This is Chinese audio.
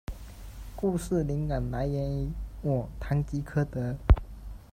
故事灵感来源于《我，堂吉诃德》。